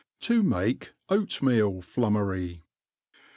To make Oatmeal Flummery.